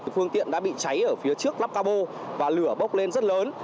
phương tiện đã bị cháy ở phía trước lắp cabo và lửa bốc lên rất lớn